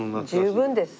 十分です。